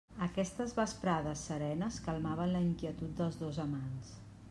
Aquestes vesprades serenes calmaven la inquietud dels dos amants.